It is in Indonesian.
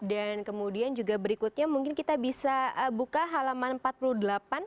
dan kemudian juga berikutnya mungkin kita bisa buka halaman empat puluh delapan dan lima puluh